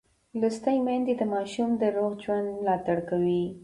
لوستې میندې د ماشوم د روغ ژوند ملاتړ کوي.